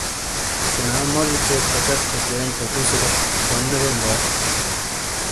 شینا موجی چیک کچٹ تھے چینڈ تا تُو سے گہ، تھیون نے بیئں دا؟